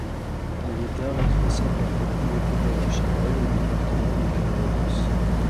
Le l’État rétrocède la propriété de la chapelle au département du Calvados.